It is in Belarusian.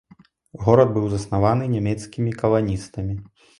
Горад быў заснаваны нямецкімі каланістамі.